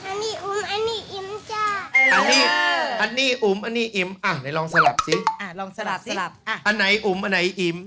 อันนี้อุ๋มอันนี้อิ๋มจ้าอันนี้อุ๋มอันนี้อิ๋มอ่ะไหนลองสลับสิอ่ะลองสลับสิอ่ะอันนี้อุ๋มอันนี้อิ๋ม